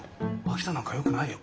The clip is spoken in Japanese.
秋田なんかよくないよ。